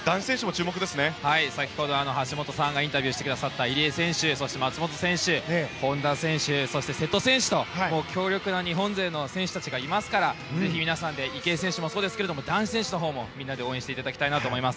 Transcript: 先ほど橋本環奈さんがインタビューしてくれた入江選手そして松元選手そして瀬戸選手と強力な日本勢の選手がいますから池江選手もそうですが男子選手のほうも応援していただきたいと思います。